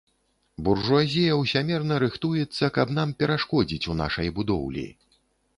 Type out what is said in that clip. Буржуазія ўсямерна рыхтуецца, каб нам перашкодзіць у нашай будоўлі.